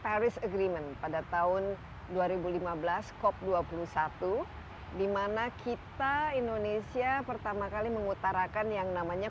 paris agreement pada tahun dua ribu lima belas cop dua puluh satu dimana kita indonesia pertama kali mengutarakan yang namanya